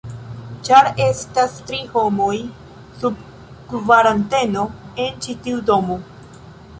ĉar estas tri homoj sub kvaranteno en ĉi tiu domo